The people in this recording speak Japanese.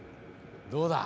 どうだ？